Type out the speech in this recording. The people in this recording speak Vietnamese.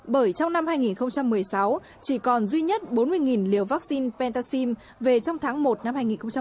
bởi trong năm hai nghìn một mươi sáu chỉ còn duy nhất bốn mươi liều vaccine pentaxim về trong tháng một năm hai nghìn một mươi chín